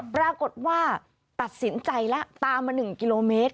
ปรากฏว่าตัดสินใจแล้วตามมา๑กิโลเมตร